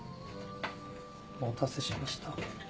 お待たせしました。